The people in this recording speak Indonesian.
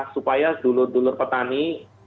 supaya dulur dulur petani